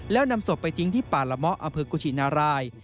แล้วนำศพไปทิ้งที่ป่าละเมาะอำเภอกุชินาราย